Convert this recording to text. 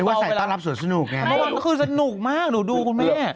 นึกว่าใส่ต้อนรับส่วนสนุกไงคือแบบนี้คือสนุกมากหนูดูคุณแม่